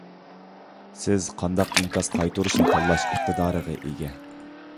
سىز قانداق ئىنكاس قايتۇرۇشنى تاللاش ئىقتىدارىغا ئىگە.